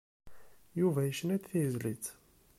Yuba yecna-d tizlit.